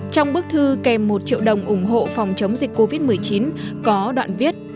trong bức thư kèm một triệu đồng ủng hộ phòng chống dịch covid một mươi chín có đoạn viết